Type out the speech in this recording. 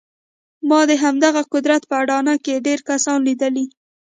ما د همدغه قدرت په اډانه کې ډېر کسان ليدلي.